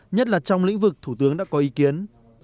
nhất là trong lĩnh vực thủ tướng đã có ý kiến